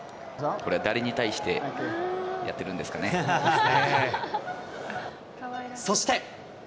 これは誰に対してやってるんそして。